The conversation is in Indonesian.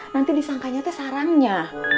nanti disangkanya sarangnya